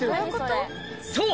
そう！